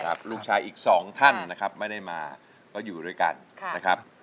ลูกชายอีกสองท่านนะครับไม่ได้มาก็อยู่ด้วยกันนะครับ